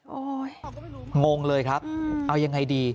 โอ้โหงงเลยครับเอายังไงดี